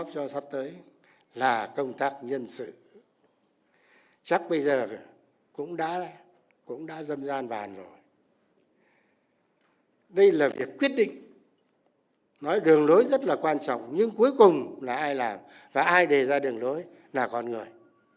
và ai đề ra đường lối là con người